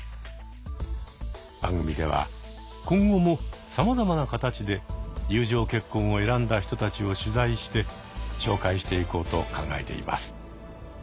番組では今後もさまざまな形で友情結婚を選んだ人たちを取材して紹介していこうと考えています。